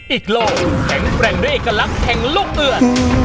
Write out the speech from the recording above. อีกโลกแข่งแปลงละอีกลักษณ์แข่งลูกเอือด